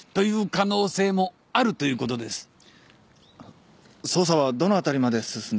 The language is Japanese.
捜査はどの辺りまで進んでるんでしょうか？